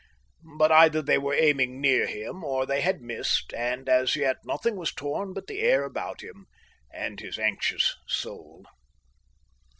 But either they were aiming near him or they had missed, and as yet nothing was torn but the air about him and his anxious soul.